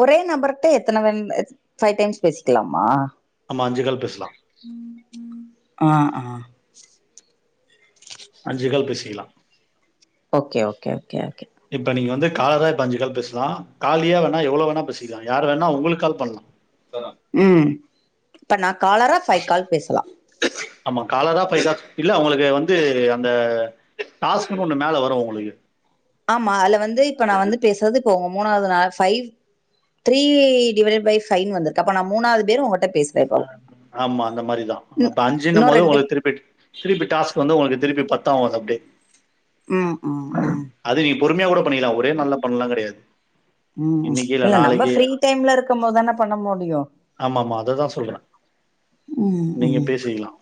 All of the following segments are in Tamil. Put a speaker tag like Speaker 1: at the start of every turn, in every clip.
Speaker 1: ஒரே நம்பர்ட்ட எத்தனை வேன் ஃபை டைம்ஸ் பேசிக்கலாமா
Speaker 2: ஆமா அஞ்சு கால் பேஸ்லா
Speaker 1: உம் உம் ஆ ஆ
Speaker 2: [unintelligible] அஞ்சு கால் பேசிக்கலா
Speaker 1: ஓகே ஓகே ஓகே ஓகே
Speaker 2: இப்ப நீங்க வந்து காலரா இப்ப அஞ்சு கால் பேசலா காலியா வேண்ணா எவ்வளவு வேணா பேசிக்கலா யார் வேணா உங்களுக்கால் பண்ணலா செர்ண்ணா
Speaker 1: ம் இப்ப நா காலரா ஃபைவ் கால் பேசலா
Speaker 2: ஆமா காலரா ஃபைவ் கால் இல்ல உங்களுக்கு வந்து அந்த டாஸ்க்ன்னு ஒண்ணு மேல வரு உங்களுக்கு
Speaker 1: ஆமா அதுல வந்து இப்ப நா வந்து பேசறது இப்போ உங்க மூணாவது நாள் ஃபைவ் த்ரீ டிவைடைட் பை ஃபைவ்ன்னு வந்துருக்கு அப்ப நா மூணாவது பேர் உங்கிட்ட பேஸ்
Speaker 2: அ ஆமா அந்த மாரிதா அப்ப அஞ்சுனு
Speaker 1: இன்னு
Speaker 2: போது
Speaker 1: ரெண்டு
Speaker 2: உங்கள திருப்பிட்டு திருப்பி டாஸ்க் வந்து உங்களுக்கு திருப்பி பத்தாகு அப்டே
Speaker 1: ம் ம் ம்
Speaker 2: அது நீ பொறுமையா கூட பண்ணிக்கலா ஒரே நாள்ல பண்ணலா கெடையாது
Speaker 1: ம் இல்ல நம்ம ஃப்ரீ டைம்ல இருக்கு போதுதான பண்ண முடியு
Speaker 2: ஆமா ஆமா அததா சொல்றே
Speaker 1: ம்
Speaker 2: நீங்க
Speaker 1: ம்
Speaker 2: பேசிக்கலா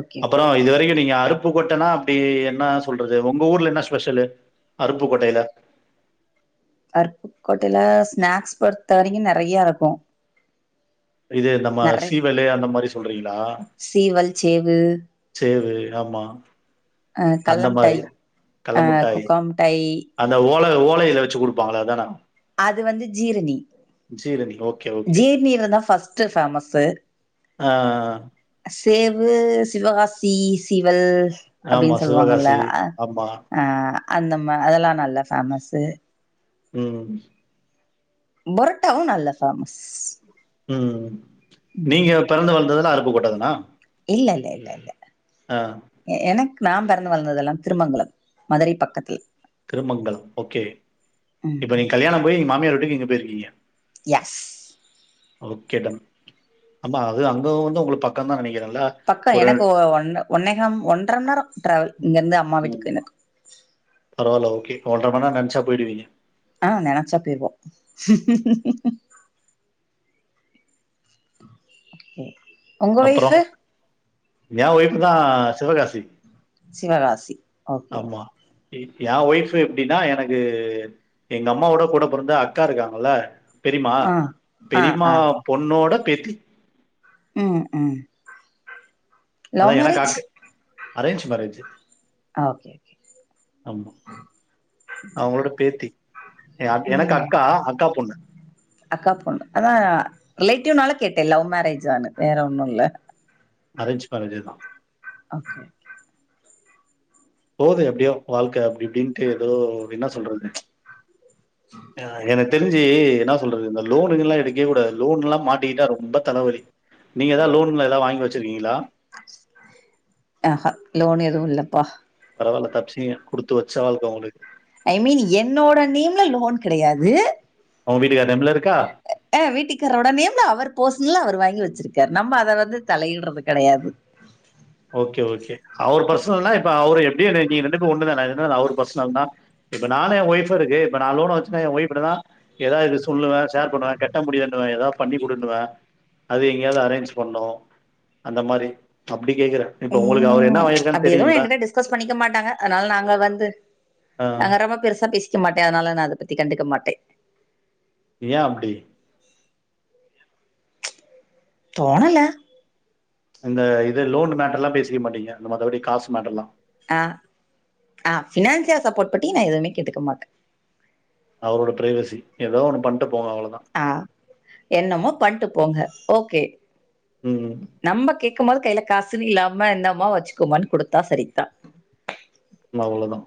Speaker 1: ஓகே ஓகே ஓகே
Speaker 2: நீங்க அருப்புக்கோட்டனா அப்டி என்ன சொல்றது உங்க ஊர்ல என்ன ஸ்பெஷல்லு அருப்புக்கோட்டையில
Speaker 1: அருப்புக்கோட்டையில ஸ்நாக்ஸ் பொறுத்த வரைக்கு நெறைய இருக்கு
Speaker 2: இது நம்ம
Speaker 1: நெறை
Speaker 2: சீவலு அந்த மாரி சொல்றீங்களா
Speaker 1: சீவல் சேவு
Speaker 2: சேவு ஆமா
Speaker 1: ஆ
Speaker 2: அந்த மாரி
Speaker 1: கல்லமிட்டாய்
Speaker 2: கல்ல
Speaker 1: ஆ
Speaker 2: முட்டாய்.
Speaker 1: குக்காம்மிட்டாய்
Speaker 2: அந்த ஓல ஓலையில வெச்சு குடுப்பாங்கள அத தான
Speaker 1: அது வந்து ஜீர்ணி
Speaker 2: ஜீரணி ஓகே, ஓகே.
Speaker 1: ஜீர்ணீ இதுதா ஃபஸ்ட்ட ஃபேமஸு
Speaker 2: ஆ
Speaker 1: சேவு சிவகாசி சிவல்
Speaker 2: ஆமா
Speaker 1: அப்டின்னு சொல்லுவாங்கல்ல
Speaker 2: சிவகாசி.
Speaker 1: அ
Speaker 2: ஆமா.
Speaker 1: ஆ அந்த ம அதெல்லா நல்ல ஃபேமஸ்ஸு
Speaker 2: ம்
Speaker 1: புரட்டாவு நல்ல ஃபேமஸ்
Speaker 2: ம் நீங்க
Speaker 1: ம்
Speaker 2: பிறந்து வளந்ததெல்லா அருப்புகோட்டதானா
Speaker 1: இல்ல இல்ல இல்ல இல்ல எனக்கு நா பெறந்து வளர்ந்ததெல்லா திருமங்கலம் மதுரை பக்கத்தில்
Speaker 2: திருமங்கலம் ஓகே இப்போ
Speaker 1: ம்
Speaker 2: நீங்க கல்யாணோ போய் இங்க மாமியார் வீட்டுக்கு இங்க போயிருக்கீங்க
Speaker 1: யெஸ்
Speaker 2: ஓகே டன் ஆமா அது அங்க வந்து உங்களுக்கு பக்கந்தா நெனைக்கிறேல
Speaker 1: பக்க எனக்கு ஒ ஒன்னே ஒன்னேகம் ஒன்றரை மணி நேரோ டிராவல் இங்க இருந்து அம்மா வீட்டுக்கு
Speaker 2: ம்
Speaker 1: எனக்கு
Speaker 2: பரவால்ல ஓகே ஓன்றரை மணிநேரோ நெனச்சா போய்டுவிங்க
Speaker 1: ஆ நெனைச்சா போயிருவோ ம்
Speaker 2: அப்புறோ எ ஒய்ஃபுதா சிவகாசி
Speaker 1: சிவகாசி ஓ
Speaker 2: ஆமா இ எ ஒய்ஃபு எப்டினா எனக்கு எங்க அம்மாவோட கூட பிறந்த அக்கா இருக்காங்கல்ல பெரிமா
Speaker 1: ஆ ஆ
Speaker 2: பெரிமா
Speaker 1: ஆ
Speaker 2: பொண்ணோட பேத்தி
Speaker 1: ம் ம்
Speaker 2: அதா
Speaker 1: லவ்
Speaker 2: எனக்
Speaker 1: மேரேஜ்
Speaker 2: அக் அரேஞ்ச் மேரேஜு
Speaker 1: ஆ ஓகே கே
Speaker 2: அவங்களோட பேத்தி ஏமா எனக்
Speaker 1: ம்
Speaker 2: அக்கா அக்கா பொண்ணு
Speaker 1: அக்கா பொண்ணு அதா ரிலேட்டிவ்னால கேட்டே லவ் மேரேஜானு வேற ஒன்னு இல்ல
Speaker 2: அரேஞ்ச் மேரேஜேதா
Speaker 1: ஓகே
Speaker 2: போது எப்டியோ வாழ்க்க அப்டி இப்டின்ட்டு எதோ என்னா சொல்றது யா எனக் தெரிஞ்சி என்னா சொல்றது இந்த லோனுகுல்லா எடி கேகூட லோன்ல்லா மாட்டிக்கிட்டா ரொம்ப தலவலி நீங் எதா லோன் மேல வாங் வச்சிர்க்கீங்ளா
Speaker 1: ஆஹா லோன் எதுவு இல்லப்பா
Speaker 2: பரவால்ல தப்ச்சிங்க குடுத்து வச்ச வாழ்க்க உங்ளுக்
Speaker 1: ஐ மீனி என்னோட நேம்ல லோன் கெடையாது
Speaker 2: உ வீட்டுக்கார் நேம்ல இருக்கா
Speaker 1: ஆ வீட்டுக்காரோட நேம்ல அவர் போர்ஸ்னல்லா அவர் வாங்கி வச்சிர்க்கார் நம்ம அத வந்து தலையீட்றது கெடையாது
Speaker 2: ஓகே ஓகே அவர் பர்சனல்னா இப்ப அவ்ரு எப்டி நீ ரெண்டு டூ ஒண்ணு தான இன்னாரு அவ்ரு பர்ஸ்னல் தா இப்ப நானு என் ஒய்ஃபு இருக்கு ப்ப நா லோன வச்சினா என் வைஃப் கிட்ட தா ஏதாவ் இது சொல்லுவே ஷேர் பண்ணுவே கெட்ட முடியானுவே ஏதாவது பண்ணி குடுண்ணுவே அது எங்யாவ்து அரேஞ்ச் பண்ணு அந்த மாரி ப்டி கேக்குற
Speaker 1: ம் அப்டி எதுவு எனங்கிட்ட டிஸ்கஸ் பண்ணிக்க மாட்டாங்க அனால் நாங்க வந்து
Speaker 2: ஆ.
Speaker 1: நாங்க ரொம்ப பெருசா பேசிக்க மாட்டே அனால நா அத பத்தி கண்டுக்க மாட்டே
Speaker 2: யா அப்டி
Speaker 1: தோணல
Speaker 2: இந்த இது லோன் மேட்டர்லா பேஸ்வே மாட்டீங்க மத்தபடி காஸா மேட்டர்லா
Speaker 1: ஆ ஆ ஃபினான்சியல் சப்போட் பட்டி நா எதுமே கேட்டுக்க மாட்
Speaker 2: அவ்ரோட ப்ரைவசி ஏதோ ஒன்னு பண்ட்டு போங்க அவ்ளதா
Speaker 1: ஆ என்னமோ பண்ட்டு போங்க ஓகே
Speaker 2: ம்ம்
Speaker 1: நம்ப கேக்கும் போது கைல காசுன்னு இல்லாம இந்தம்மா வச்சுக்கோமான் குடுத்தா சரித்தா
Speaker 2: நவ்ளதா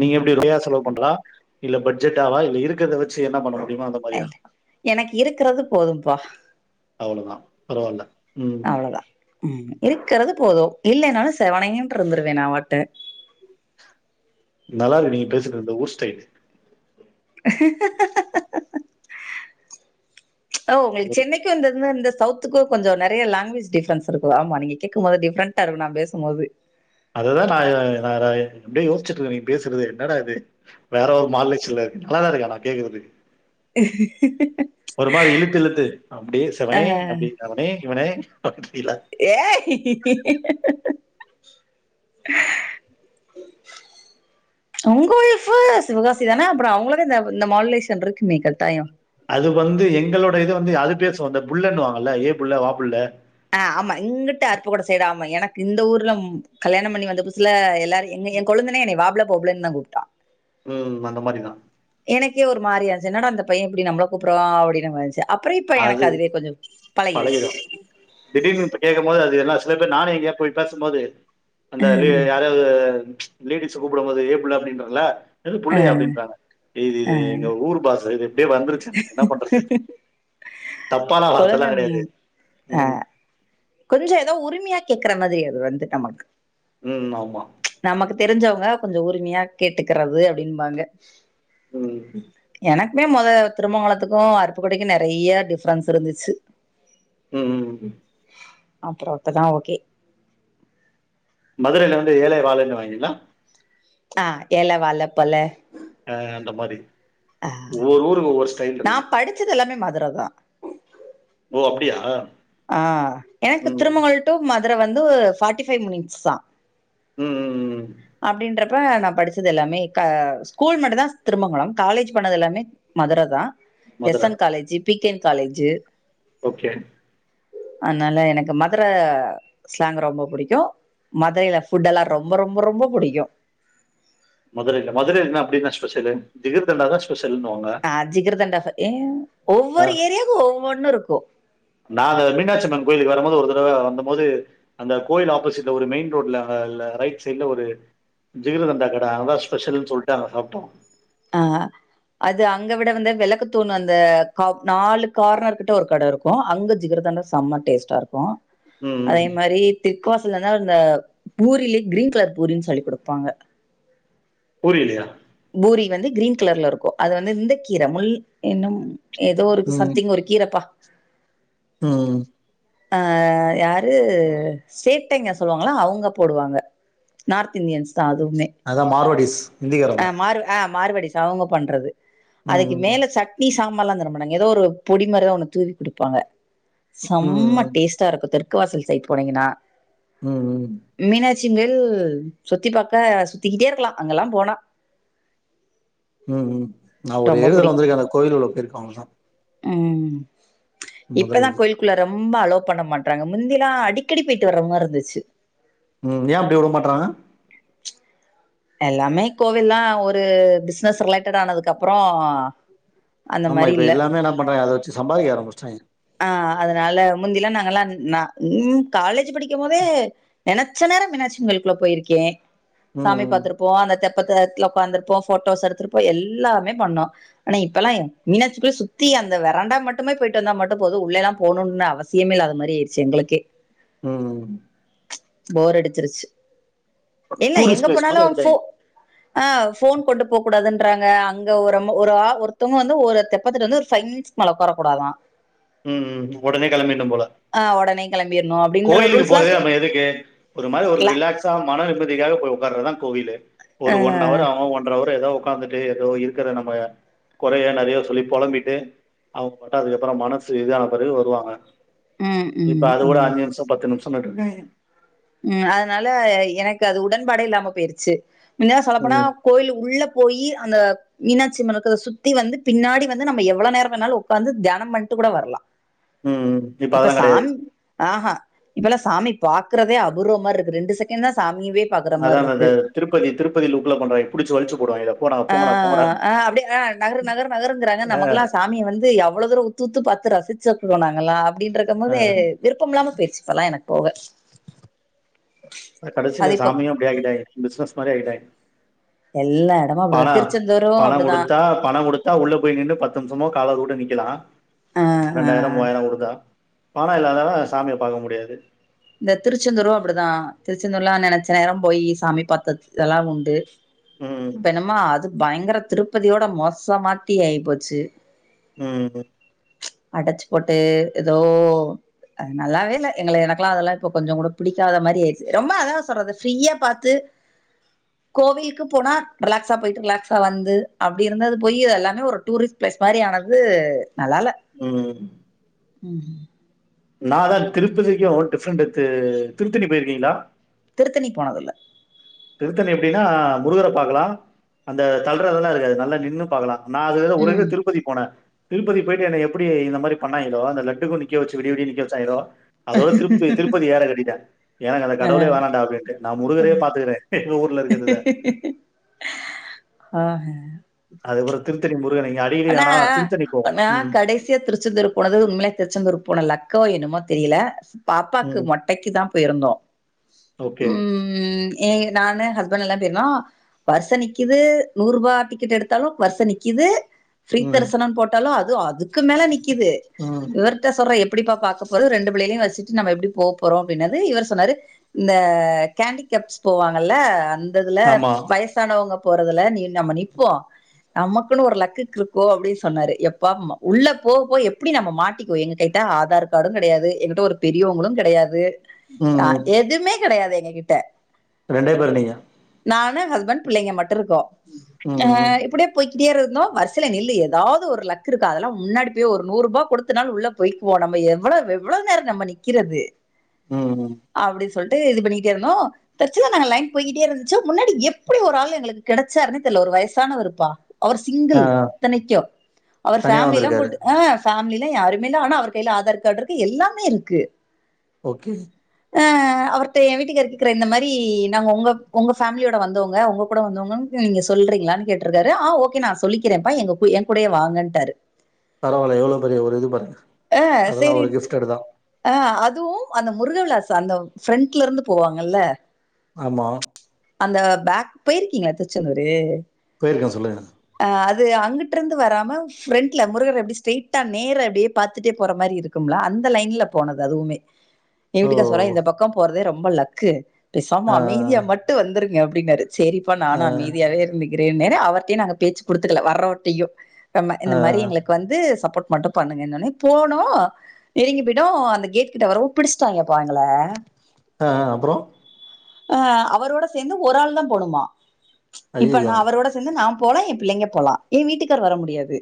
Speaker 2: நீங்க எப்டி ஒயா செலவு பண்றா இல்ல பஜ்ஜெட் ஆவா இல்ல இருக்குற்த வச்சி என்னா பண்ண முடியுமோ அந்த மாரியா
Speaker 1: எனக் இருக்றது போதும்பா
Speaker 2: அவ்ளதா பரவால்ல ம்.
Speaker 1: அவ்ளதா ம் இருக்கற்து போது இல்லேனாலும் செவனைனாட்டு இருந்துருவே நாவாட்டு
Speaker 2: நல்லாருக்கு நீங்க பேசுறுது ஊர் ஸ்டைல்
Speaker 1: ஹா ஹா ஹா ஓ உங்ளுக்
Speaker 2: ஒரு
Speaker 1: சென்னைக்கு வந்ததுன்னா இந்த சவ்த் த்துக்கோ கொஞ்சோ நறையா லாங்குவேஜ டிஃபன்ஸ் இருக்கலாம் ஆமா நீங்க கேக்கும்போது டிப்ரண்டா இருக்கு நா பேசும்போது
Speaker 2: அதுதான் நாயாய் நாராய் அப்டே யோஸ்ச்சிட்ருக்கே நீ பேசுற்து என்னடா இது வேற ஒர் மாலேச்சுன்லர் நல்லாதாருக்கு ஆனா கேக்குறுதுக்
Speaker 1: ஹா ஹா
Speaker 2: ஒரு மாரி இழுத்து இழுத்து அப்டியே
Speaker 1: அ
Speaker 2: செவனே அப்டி அவனே இவனே அப்டிலா
Speaker 1: ஏய் உங்க உய்ஃபு சிவகாசி தானே அப்றோ அவ்ங்களுக்கு தேவ் இந்த மால்லேஷன் ருக்குமே கட்டாயோ
Speaker 2: அது வந்து எங்களோட இது வந்து அது பேசு இந்த புல்லன் வாங்கல்ல ஏ புல்ல வா புல்ல
Speaker 1: ஆ ஆமா இங்கிட்ட அருப்புக்கோட்ட சைட் ஆமா எனக்கு இந்த ஊர்ல கல்யாணம் பண்ணி வந்த புதுசுல என் கொழுந்தனே என்னை வா புள்ள போ புள்ளந்தா கூப்ட்டான்
Speaker 2: ம் அந்த மாரி தா
Speaker 1: எனக்கே ஒரு மாரியா இருச்சு என்னடா அந்த பையே இப்டி நம்ள கூப்புட்றா அப்டினு மாருந்ச்சு அப்ரோ இப்ப
Speaker 2: அது
Speaker 1: எனக்கு அதுவே கொஞ்சோ பழகிருச்சு
Speaker 2: பழகிடும். திடீர்னு ஒர்த்த கேட்கம்போது எல்லா சில பேர் நானு எங்கயா போய் பேசும்போது
Speaker 1: அ,
Speaker 2: அந்த வீட யாரயாவது லேடீஸ்ஸ கூப்பிடும் போது ஏ பிள்ள அப்டின்றல்ல எது
Speaker 1: அ,
Speaker 2: புள்ளையா அப்டின்றாங்க இது
Speaker 1: அ.
Speaker 2: இது எங்க ஊர் பாச இது இப்டியே வந்துருச்சு எனக்கு என்ன பண்றது தப்பான வார்த்தையல்லா
Speaker 1: கொழுந்தன்
Speaker 2: கெடயாது ம்
Speaker 1: கொஞ்சோ எதோ உரிமையா கேக்குற மாரி அது வந்து நமக்கு
Speaker 2: ம் ஆமா
Speaker 1: நமக்கு தெரிஞ்சவுங்க கொஞ்சோ உரிமையா கேட்டுக்கிறது அப்டின்பாங்க
Speaker 2: ம்
Speaker 1: எனக்குமே மொத திருமங்கலத்துக்கு அருப்புக்கோட்டைக்கு நெறைய டிஃப்ரன்ஸ் இருந்துச்சு
Speaker 2: ம் ம்
Speaker 1: அப்பரோ இப்பதா ஓகே
Speaker 2: மதுரையில வந்து ஏழ வாழன்னு வாய்ங்களா
Speaker 1: ஆ ஏள்ள வாள்ள போல
Speaker 2: ஆ அந்த மாரி ஒவ்வொரு ஊருக்கு ஒவ்வொரு ஸ்டைல் இருக்கு
Speaker 1: நான் படிச்சது எல்லாமே மதுர தா
Speaker 2: ஓ அப்டியா
Speaker 1: ஆ எனக்கு
Speaker 2: ம்.
Speaker 1: திருமங்கல் டு மதுரை வந்து ஃபாட்டி ஃபை மினிட்ஸ் தா
Speaker 2: ம் ம் ம்.
Speaker 1: அப்டின்றப் ப்ப நா படிச்சது எல்லாமே கா ஸ்கூல் மட்டு தா திருமங்கலம் காலேஜ் பண்ணது எல்லாமே மதுரை தா எஸ்
Speaker 2: மதுர.
Speaker 1: என் காலேஜு பி கே என் காலேஜு
Speaker 2: ஓகே
Speaker 1: அதனால எனக்கு மதுர ஸ்லாங் ரொம்ப புடிக்கு மதுரையில ஃபுட்டெல்லா ரொம்ப ரொம்ப ரொம்ப புடிக்கு
Speaker 2: மதுரையில மதுரைல அப்டி என்னா ஸ்பெஷலு ஜிகர்தண்டா தா ஸ்பெஷலுன்வாங்க
Speaker 1: ஆ ஜிகருதண்டா ஏ ஒவ்வொரு ஏரியாவுக்கு ஒவ்வொன்னு இருக்கு
Speaker 2: நா அந்த மீனாட்சிம்மன் கோயிலுக்கு வரும்போது ஒரு தடவ வந்த போது அந்த கோயில் ஆப்போசிட்ல ஒரு மெயின் ரோட்ல அ ரைட் சைட்ல ஒரு ஜிகிர்தண்டா கட அங்கதா ஸ்பெஷல்னு சொல்லிட்டு அங்க சாப்ட்டோ
Speaker 1: அ அது அங்க விட வந்து வெளக்கு தூணு அந்த க நாலு கார்னர் கிட்ட ஒரு கட இருக்கு அங்க ஜிகர்தண்டா செம்ம டேஸ்ட்டா இருக்கு
Speaker 2: ம்
Speaker 1: அதே மாரி தெற்குவாசலனா அந்த பூரில கிரீன் கலர் பூரின்னு சொல்லி குடுப்பாங்க
Speaker 2: பூரிலயா
Speaker 1: பூரி வந்து கிரீன் கலர்ல இருக்கு அது வந்து இந்த கீர முள் என்னம் எதோ ஒரு
Speaker 2: ம்
Speaker 1: சம்திங் ஒரு கீரப்பா
Speaker 2: ம்
Speaker 1: அ யாரு சேட்டைங்க சொல்லுவாங்களா அவுங்க போடுவாங்க நார்த் இந்தியன்ஸ் தா அதுவுமே
Speaker 2: அதா மார்வாடிஸ்
Speaker 1: ஆ
Speaker 2: இந்திக்காரவுங்க
Speaker 1: மார் ஆ மார்வாடிஸ் அவுங்க பண்றது அதுக்கு
Speaker 2: ம்
Speaker 1: மேல ச ட்னி சாம்பார் எல்லா தரமாட்டாங்க எதோ ஒரு பொடி மாறிதா ஒன்னு தூவி குடுப்பாங்க செம்ம
Speaker 2: ம் ம்
Speaker 1: டேஸ்ட் ச்சாருக்கு தெற்கு வாசல் சைட் போனீங்ன்னா
Speaker 2: ம்
Speaker 1: மீனாட்சிங்கள் சுத்தி பாக்க சுத்திக்கிட்டே இருக்கலா அங்கெல்லா போனா
Speaker 2: ம் ஹும் நா ஒரே
Speaker 1: ரொம்ப
Speaker 2: ஒருதரோ
Speaker 1: புடிக்கு
Speaker 2: வந்துருக்கே அந்த கோயிலுக்குள்ள போயிருக்க அவ்ளதா
Speaker 1: ம் இப்பதா
Speaker 2: மதுரைக்கு
Speaker 1: கோயில் குள்ள ரொம்ப அலோ பண்ண மாட்டறாங்க முந்திலா அடிக்கடி போயிட்டு வர்ற மார இருந்துச்சு
Speaker 2: ம் ஏ அப்டி உட மாட்றாங்க
Speaker 1: எல்லாமே கோவில்னா ஒரு பிசினஸ் ரிலேடட் ஆனதுக்கப்றோ
Speaker 2: ஆமா இப்ப எல்லாமே என்ன பண்றா அத வெச்சி சாம்பாதிக்க ஆரம்முச்டாய்ங்க
Speaker 1: ஆ அதனால முந்திலா நாங்கலா நா ன் காலேஜ் படிக்கு போதே நெனச்ச நேர மீனாச்சியம்மன் கோயில்குள்ள போயிருக்கே சாமி
Speaker 2: ம்
Speaker 1: பாத்துருப் போ அந்த தெப்பத்தத்துல உக்காந்துருப்போ போட்டோஸ் எடுத்திருப்போ எல்லாமே பண்ணோ ஆனா இப்பெல்லா மீனாட்சி போய் சுத்தி அந்த வெறண்டா மட்டுமே போயிட்டு வந்தா மட் டு போது உள்ளல்லா போணுன் அவசியமே இல்லாத மாரியாச்சு எங்களுக்கே
Speaker 2: ம்
Speaker 1: போர் அடிச்சிருச்சு இல்ல
Speaker 2: டூரிஸ்ட்
Speaker 1: எங்க
Speaker 2: பிளேஸ்
Speaker 1: போனாலு
Speaker 2: மாதிரி
Speaker 1: ஃபோ
Speaker 2: ஆகிட்டாங்க
Speaker 1: ஆ ஃபோன் கொண்டு போக் கூடாதுன்றாங்க அங்க ஒரு அ ஒரு ஆ ஒருத்தவங்க வந்து ஒரு தெப்பத்துட்டு வந்து ஒரு ஃபை மினிட்ஸ் மேல உக்கார கூடாதா
Speaker 2: ம் ம் ஒடனே கெளம்பிர்னு போல
Speaker 1: ஆ ஒடனே கெளம்பிர்ணு அப்டி
Speaker 2: கோயிலுக்கு போறதே நம்ம எதுக்கு ஒரு மாரி ஒரு
Speaker 1: ல
Speaker 2: ரிலாக்ஸ் ஸா மன நிம்மதிகாக போய் உக்கார தா கோவில்லு
Speaker 1: ஆ
Speaker 2: ஒரு ஒன் அவர் ஆவு ஒன்ற அவர் எதோ உக்காந்துட்டு எதோ இருக்கற நம்ம கொறைய நறைய சொல்லி பொழம்பிட்டு அவுங்க பாட்டுக் அதுக்கப்றோ மனசு இதான பெறகு வருவாங்க
Speaker 1: ம்
Speaker 2: இப்ப
Speaker 1: ம்
Speaker 2: அது கூட
Speaker 1: ம்
Speaker 2: அஞ்சி நிமிஷோ பத்து நிமிஷோ போட்ருக்காய்ங்க
Speaker 1: ம் அதனால எனக்கு அது உடன்பாடே இல்லாம போயிருச்சு முந்திலா சொல்ல போனா
Speaker 2: ம்
Speaker 1: கோயிலுக் உள்ள போயி அந்த மீனாட்சி அம்மனுக்கத சுத்தி வந்து பின்னாடி வந்து நம்ம எவ்வள நேர வேணாலு உக்காந்து தியானம் பண்ட்டு கூட வர்லா
Speaker 2: ம்
Speaker 1: இப்ப
Speaker 2: அதெல்லா கெடையாது
Speaker 1: சாமி ஆ ஆ இப்பல்லா சாமி பாக் கறதே அபூர்வமாருக்கு ரெண்டு செகண்ட் தா சாமியவே பாக்குற
Speaker 2: அதா அதா
Speaker 1: மார்ருக்கு
Speaker 2: அந்த திருப்பதி திருப்பதி லுக்ல பண்றாங்க புடிச்சி வளிச்சி போடுவாய்ங்கல போடா
Speaker 1: ஆ,
Speaker 2: போங்கடா போங்கடானு போங்கடான்னு
Speaker 1: ஆ அப்டே ஆ நகரு நகரு நகர்ங்கறாங்க நமக்குல்லா சாமிய வந்து அவ்ள தூரோ உத்து உத்து பாத்து ரசிச்ச போனாங்கல்ல அப்டின்ற இருக்கும் போது விருப்பம் இல்லாம போய்ச்சு இப்பல்லா எனக் போக
Speaker 2: அதா கடசியில
Speaker 1: அது இப்போ
Speaker 2: சாமியு அப்டி ஆக்கிடாய்ங்க பிசினஸ் மாரி ஆக்கிடாய்ங்
Speaker 1: எல்லா எடமு அப்டிதா திருச்செந்தூரு அப்டிதா
Speaker 2: பணங் குடுத்தா உள்ள போய் நின்னு பத்து நிம்ஷமோ காலவர் கூட நிக்கலா
Speaker 1: ஆ, ஆ.
Speaker 2: ரெண்டாயிரோ மூவாயிரோ குடுத்தா பண இல்லாதனால சாமிய பாக்க முடியாது
Speaker 1: இந்த திருச்செந்தூரு அப்டிதா திருச்செந்தூர்லா நெனைச்ச நேரம் போய் சாமி பாத்த இதெல்லா உண்டு
Speaker 2: ம்
Speaker 1: யம்மா அது பயங்கர திருப்பதியோட மோசமாட்டி ஆயி போச்சு
Speaker 2: ம்
Speaker 1: அடச்சி போட்டு எதோ அது நல்லாவே இல்ல எங்கள எனக்குல்லா அதெல்லா இப்போ கொஞ்சங் கூட புடிக்காத மாரி ஆயிர்ச்சு ரொம்ப அதா சொல்றது ஃப்ரீயா பாத்து கோவில்க்கு போனா ரிலாக்ஸா போயிட்டு ரிலாக்ஸா வந்து அப்டி இருந்தது போயி எல்லாமே ஒரு டூரிஸ்ட் பிளேஸ் மாறி ஆனது நல்லால்ல
Speaker 2: ம்
Speaker 1: ம் ம்
Speaker 2: நா அத்தா திருப்பதிக்கும் டிஃப்ரெண்ட் வித்து திருத்தணி போயிருக்கீங்ளா
Speaker 1: திருத்தணி போனது இல்ல
Speaker 2: திருத்தனி எப்டின்னா முருகர பாக்கலா அந்த தள்றதெல்லா இருக்காது நல்லா நின்னு பாக்கலா நா அதுக ஒருக திருப்பதி போனே திருப்பதி போயிட்டு என்ன எப்டி இந்த மாறி பண்ணாயிங்களோ அந்த லட்டுக்கும் நிக்க வச்ச விடிய விடிய நிக்க வச்சாங்களோ அதோட திருப்பத்தி திருப்பதி ஏற கட்டிடே எனக்கு அந்த கடவுளே வேணான்டா அப்டின்ட்டு நா முருகரையே பாத்துகறே
Speaker 1: அ ஆ
Speaker 2: அதுக்கப்றோ திருத்தணி முருகன இங்க அடிக்கடி ஏனா திருத்தணி போவோ ம்
Speaker 1: சே திருச்செந்தூர் போனது உண்மையிலே திருச்செந்தூர் போன லக்கோ என்னமோ தெரியல பாப்பாக்கு
Speaker 2: ம்.
Speaker 1: மொட்டைக்கிதா போயிருந்தோ
Speaker 2: ஓகே.
Speaker 1: ம் ம் எ நானு ஹஸ்பண்ட் எல்லா போயிருந்தோ வர்ச நிக்குது நூற்ரூபா டிக்கெட் எடுத்தாலு வர்ச நிக்குது
Speaker 2: ம்.
Speaker 1: ஃப்ரீதரிசனம் போட்டாலு அது அதுக்கு மேல நிக்குது
Speaker 2: ம்.
Speaker 1: இவர் ட்ட சொல்றே எப்டிப்பா பாக்க போறோ ரெண்டு பிள்ளைகளையு வச்சுட்டு நம்ம எப்டி போ போறோ அப்டின்னது இவர் சொன்னாரு இந்த கேண்டிகேப்ஸ் போவாங்கில்ல அந் த இதுல
Speaker 2: ஆமா.
Speaker 1: வயசானவங்க போறதுல நீ நம்ம நிப்போ நமக்குன்னு ஒரு லக்கு கிரு க்கு அப்படின்னு சொன்னாரு எப்போ உள்ள போக போக எப்டிய நம்ம மாட்டிக்குவோ எங்க கிட்ட ஆதார் கார்டு கிடையாது எங்கிட்ட ஒரு பெரியவங்களும். கிடையாத அ
Speaker 2: ம்
Speaker 1: எதுவுமே கிடையாது எங்க கிட்ட
Speaker 2: ரெண்டே பேர் நீங்க
Speaker 1: நானு ஹஸ்பண்ட் பிள்ளைங்க மட்டு இருக்கோ ஆ
Speaker 2: ம்
Speaker 1: இப்டியே போய்கிட்டே இருந்தோ வர் சையில நில்லு ஏதாவது ஒரு லக் இருக்கும் அதெல்லா முன்னாடி போயி ஒரு நூற்ரூபா குடுத்துனாலு உள்ள போய்க்குவோ நம்ம எவ்வளோ வெ எவ்ளோ நேரம் நம்ம நிக்கிறது
Speaker 2: ம் ம்
Speaker 1: அப்டி சொல்ட்டு இது பண்ணிக்கிட்டே இருந்தோ ஏதறச்சியா நா லைன் போயிட்டே இருந்துச்சோ முன்னாடி எப்பிடி ஒரு ஆளு எங்களுக்கு கிடைச்சாருன்னே தெர்ல ஒரு வயசான வருப்பா அவர்
Speaker 2: ஆ
Speaker 1: சிங்கிள் இத்தனைக்கும் அவர்
Speaker 2: தனியா
Speaker 1: ஃபேமில்லா
Speaker 2: வந்திருக்காரு
Speaker 1: கூட்டு ஆ ஃபேமில்லா யாருமே இல்ல ஆனா அவர் கைல ஆதார் கார்டு இருக்கு எல்லாமே இருக்கு
Speaker 2: ஓக்கே
Speaker 1: ஆ அ அவர்ட்ட என் வீட்டுக்காரு கேக்குறாரு இந்த மாறி நாங்க உங்க உங்க பேமிலியோட வந்தவங்க உங்க கூட வந்தவங்கன்னு நீங்க சொல்றீங்களான்னு கேட்டுருக்காரு ஆ ஓக்கே நா சொல்லிக்கிறேன்ப்பா எங்க என் கூடயே வாங்கன்டாரு
Speaker 2: பரவால்ல எவ்வளோ பெரிய ஒரு இது பாருங்க
Speaker 1: ஆ
Speaker 2: அதெல்லா ஒரு
Speaker 1: சேரின்
Speaker 2: கிஃப்டட் தா
Speaker 1: ஆ அதுவு அந்த முருக விளாஸ் அந்த ஃபரண்ட்ல இருந்து போவாங்கில்ல
Speaker 2: ஆமா
Speaker 1: அந்த பேக் போயிருக்கீங்ளா திருச்செந்தூரு
Speaker 2: போயிருக்கே சொல்லுங்க
Speaker 1: ஆ அது அங்கிட்டு இருந்து வராம ஃப்ரண்ட்ல முருகர அப்டி ஸ்ரைட்டா நேராஅப்டியே பாத்துட்டே போற மாறி இருக் க்கும்ல்ல அந்த லைன்ல போனது அதுவுமே நீ
Speaker 2: ஓ
Speaker 1: வீட்டுக்காரு சொல்றாரு இந்த பக்கம் போறதே ரொம்ப லக்கு பேசாம
Speaker 2: ஆ
Speaker 1: அமைதியா மட்டு வந்துருங்க அப்டினாரு சேரிப்பா
Speaker 2: ஆ
Speaker 1: நானும் அமைதியாவே இருந்துக்கிறேன்னே அவர்ட்டையு நாங்க பேச்சு குடுத்துக்கல வர்றவர்டையு சொன்னே இந்த
Speaker 2: ஆ
Speaker 1: மாறி எங்களுக்கு வந்து சப்போர்ட் மட்டு பண்ணுங்கன்னவொன்னே போனோ நெருங்கி போயிட்டோ அந்த கேட் கிட்ட வரவு பிடிச்ட்டாங்க பா எங்கள
Speaker 2: அ அ அப்றோ
Speaker 1: அ அவரோட சேர்ந்து ஒரு ஆள் தா போணுமா இப்ப
Speaker 2: ஐயையோ
Speaker 1: நா அவரோட சேர்ந்து நா போலா என் பிள்ளைங்க போலா என் வீட்டுக்கார் வர முடியாது